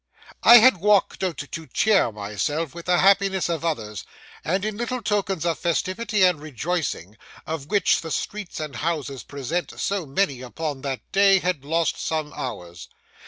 I had walked out to cheer myself with the happiness of others, and, in the little tokens of festivity and rejoicing, of which the streets and houses present so many upon that day, had lost some hours.